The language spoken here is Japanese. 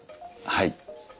はい。